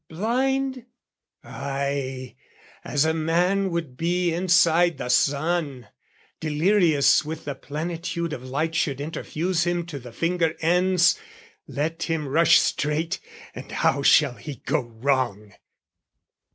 blind? Ay, as a man would be inside the sun, Delirious with the plenitude of light Should interfuse him to the finger ends Let him rush straight, and how shall he go wrong?